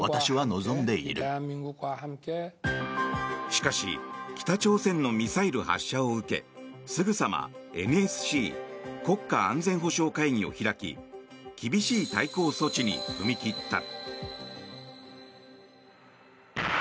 しかし北朝鮮のミサイル発射を受けすぐさまＮＳＣ・国家安全保障会議を開き厳しい対抗措置に踏み切った。